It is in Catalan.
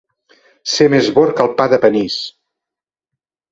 Ser més bord que el pa de panís.